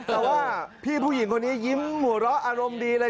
แต่ว่าพี่ผู้หญิงคนนี้ยิ้มหัวเราะอารมณ์ดีเลย